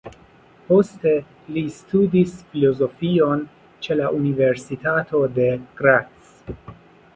Poste li studis filozofion ĉe la Universitato de Graz.